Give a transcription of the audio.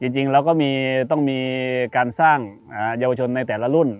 จริงเราก็ต้องมีการสร้างเยาวชนในแต่ละรุ่น